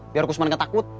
biar kusman gak takut